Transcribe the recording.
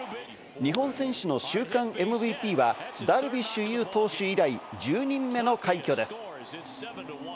日本選手の週間ＭＶＰはダルビッシュ有投手以来１０人目の快挙です。